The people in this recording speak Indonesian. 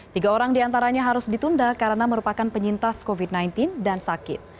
tiga orang diantaranya harus ditunda karena merupakan penyintas covid sembilan belas dan sakit